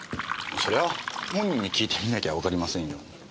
それは本人に訊いてみなきゃわかりませんよ。